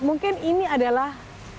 mungkin ini adalah